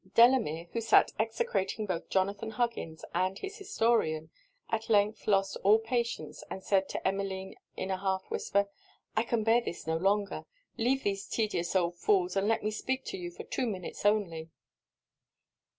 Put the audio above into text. Delamere, who sat execrating both Jonathan Huggins and his historian, at length lost all patience; and said to Emmeline, in an half whisper, 'I can bear this no longer: leave these tedious old fools, and let me speak to you for two minutes only.'